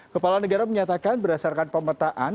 kepala negara menyatakan berdasarkan pemetaan